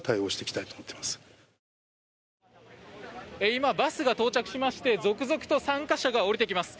今バスが到着しまして続々と参加者が降りてきます。